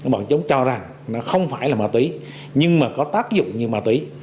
bọn chúng cho rằng nó không phải là ma túy nhưng mà có tác dụng như ma túy